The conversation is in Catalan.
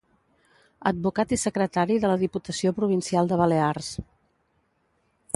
Advocat i secretari de la Diputació Provincial de Balears.